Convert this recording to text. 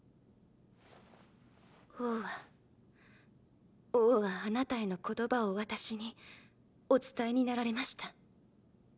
王は王はあなたへの言葉を私にお伝えになられました。